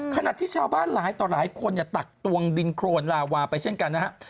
ขณะที่ชาวบ้านหลายต่อหลายคนตักตวงดินโครนลาวาไปเช่นกันนะฮะ